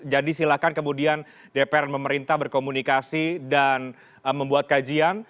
jadi silakan kemudian dpr dan pemerintah berkomunikasi dan membuat kajian